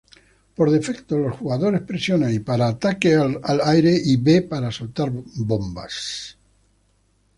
Por defecto, los jugadores presionan Y para ataques aire-aire y B para soltar bombas.